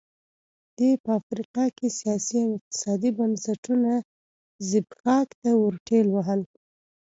دې په افریقا کې سیاسي او اقتصادي بنسټونه زبېښاک ته ورټېل وهل.